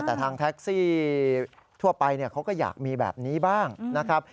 แต่ทางแท็กซี่ทั่วไปเขาก็อยากมีแบบนี้บ้างนะครับ